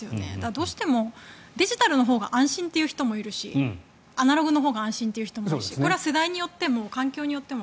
どうしてもデジタルのほうが安心という人もいるしアナログのほうが安心っていう人もいるしこれは世代によっても環境によっても